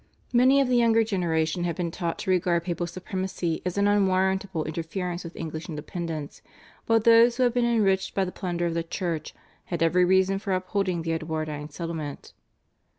Many of the younger generation had been taught to regard papal supremacy as an unwarrantable interference with English independence, while those who had been enriched by the plunder of the Church had every reason for upholding the Edwardine settlement.